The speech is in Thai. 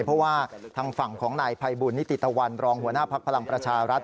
เพราะว่าทางฝั่งของนายภัยบุญนิติตะวันรองหัวหน้าภักดิ์พลังประชารัฐ